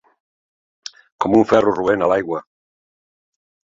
Com un ferro roent a l'aigua.